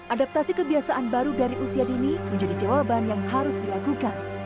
adaptasi kebiasaan baru dari usia dini menjadi jawaban yang harus dilakukan